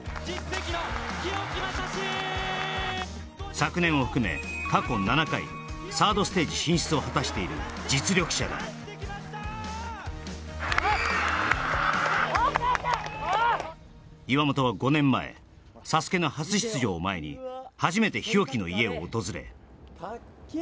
昨年を含め過去７回サードステージ進出を果たしている実力者だ岩本は５年前「ＳＡＳＵＫＥ」の初出場を前に初めて日置の家を訪れたっけ！